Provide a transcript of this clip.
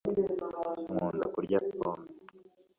nkunda kurya pome